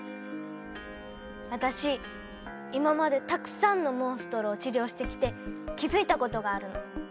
私今までたくさんのモンストロを治療してきて気づいたことがあるの。